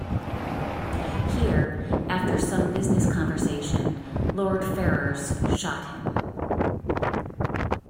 Here, after some business conversation, Lord Ferrers shot him.